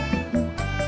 gak ada de